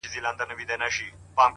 • ما سپارلی د هغه مرستي ته ځان دی -